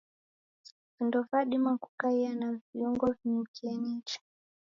Vindo vadima kukaia na viungo vinukie nicha.